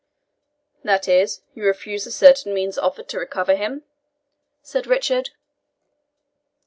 "That is, you refuse the certain means offered to recover him?" said Richard.